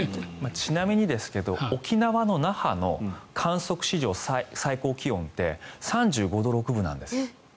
ちなみにですが沖縄の那覇の観測史上最高って３５度６分なんです。